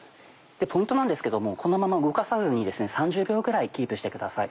ポイントなんですけどもこのまま動かさずに３０秒くらいキープしてください。